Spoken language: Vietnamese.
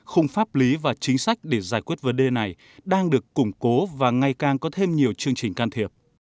khung pháp lý và chính sách để giải quyết vấn đề này đang được củng cố và ngày càng có thêm nhiều chương trình can thiệp